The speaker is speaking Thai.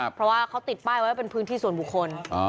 เพราะว่าเขาติดป้ายไว้เป็นพื้นที่ส่วนบุคคล